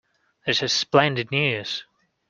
This is splendid news.